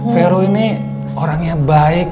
vero ini orang yang baik